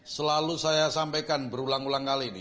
selalu saya sampaikan berulang ulang kali ini